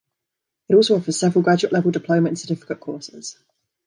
It also offers several graduate-level diploma and certificate courses.